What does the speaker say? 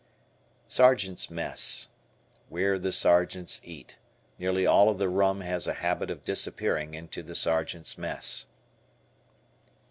Sergeant's Mess. Where the sergeants eat. Nearly all of the rum has a habit of disappearing into the Sergeant's Mess.